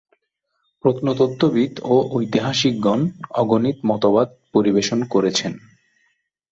প্রত্নতত্ত্ববিদ ও ঐতিহাসিকগণ অগণিত মতবাদ পরিবেশন করেছেন।